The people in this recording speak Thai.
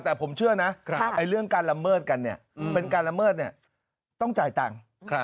แต่ผมเชื่อนะเรื่องการละเมิดกันเป็นการละเมิดต้องจ่ายตังค์